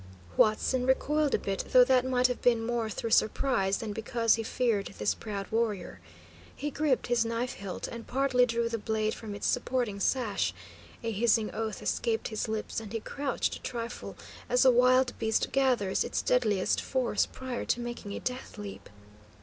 Huatzin recoiled a bit, though that might have been more through surprise than because he feared this proud warrior. He gripped his knife hilt, and partly drew the blade from its supporting sash. A hissing oath escaped his lips, and he crouched a trifle, as a wild beast gathers its deadliest force prior to making a death leap.